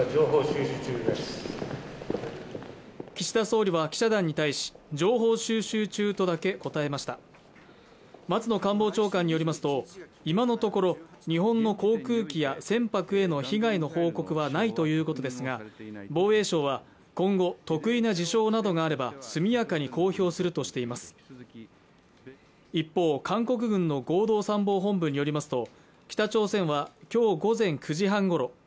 岸田総理は記者団に対し情報収集中とだけ答えました松野官房長官によりますと今のところ日本の航空機や船舶への被害の報告はないということですが防衛省は今後特異な事象などがあれば速やかに公表するとしています一方韓国軍の合同参謀本部によりますと北朝鮮はきょう午前９時半ごろ